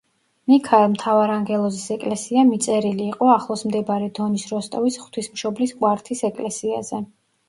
მიქაელ მთავარანგელოზის ეკლესია მიწერილი იყო ახლოს მდებარე დონის როსტოვის ღვთისმშობლის კვართის ეკლესიაზე.